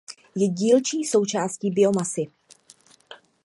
Je dílčí součástí biomasy.